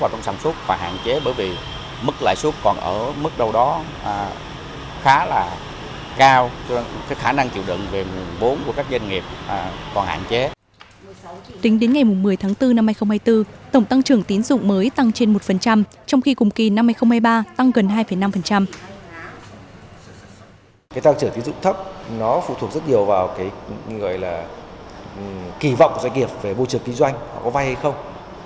tổng tăng trưởng tín dụng thấp là kỳ vọng của doanh nghiệp về môi trường kinh doanh có vay hay không